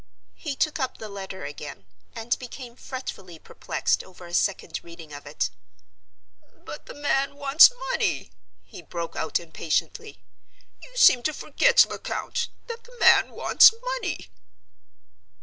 He took up the letter again, and became fretfully perplexed over a second reading of it. "But the man wants money!" he broke out, impatiently. "You seem to forget, Lecount, that the man wants money."